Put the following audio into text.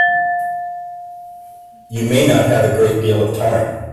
You may not have a great deal of time.